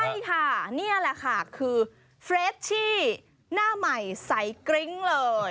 ใช่ค่ะนี่แหละค่ะคือเฟรชชี่หน้าใหม่ใสกริ้งเลย